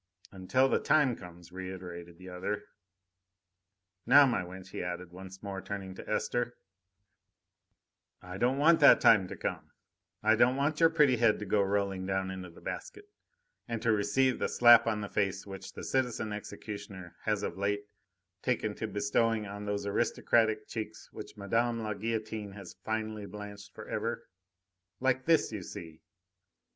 "Until the time comes," reiterated the other. "Now, my wench," he added, once more turning to Esther, "I don't want that time to come. I don't want your pretty head to go rolling down into the basket, and to receive the slap on the face which the citizen executioner has of late taken to bestowing on those aristocratic cheeks which Mme. la Guillotine has finally blanched for ever. Like this, you see."